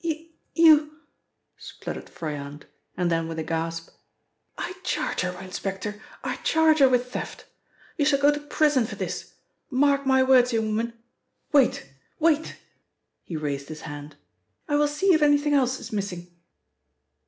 "You you " spluttered Froyant, and then with a gasp "I charge her, inspector. I charge her with theft. You shall go to prison for this. Mark my words, young woman. Wait wait," he raised his hand. "I will see if anything else is missing."